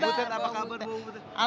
bahu butet apa kabar